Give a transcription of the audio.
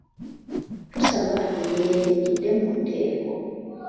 Tusaba emirembe gidde mu nteeko.